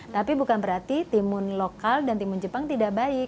tapi bukan berarti timun lokal dan timun jepang tidak baik